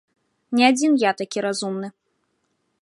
Не адзін я такі разумны.